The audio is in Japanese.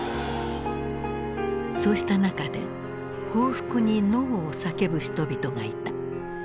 そうした中で報復に「ノー」を叫ぶ人々がいた。